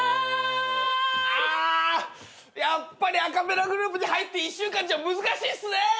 あやっぱりアカペラグル−プに入って一週間じゃ難しいっすね。